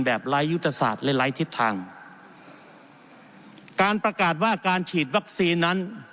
ไร้ยุทธศาสตร์และไร้ทิศทางการประกาศว่าการฉีดวัคซีนนั้น